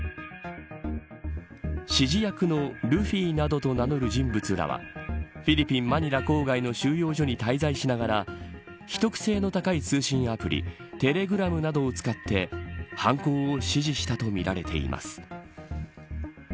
指示役のルフィなどと名乗る人物らはフィリピン、マニラ郊外の収容所に滞在しながら秘匿性の高い通信アプリテレグラムなどを使って犯行を指示したとみられています。